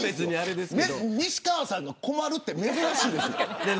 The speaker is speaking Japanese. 西川さんが困るのは珍しいです。